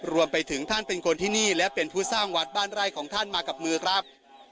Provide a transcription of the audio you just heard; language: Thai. รวมไปถึงท่านเป็นคนที่นี่และเป็นผู้สร้างวัดบ้านไร่ของท่านมากับมือครับ